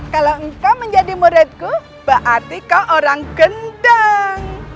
kalau engkau menjadi muridku berarti kau orang kendang